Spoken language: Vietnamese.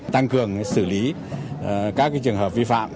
tăng cường xử lý các trường hợp phi phạm